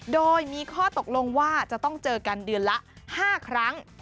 โดยมีข้อตกลงว่าจะต้องเจอกันเดือนละ๕ครั้ง